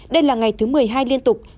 đây là ngày thứ một mươi hai liên tục